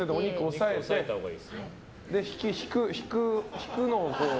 で、引くのを。